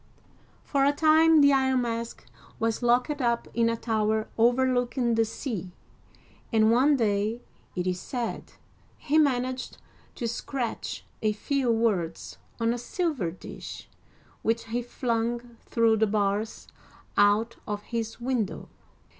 For a time the Iron Mask was locked up in a iower overlooking the sea, and one day, it is said, he managed to scratch a few words on a silver dish, which he flung through the bars out of his window.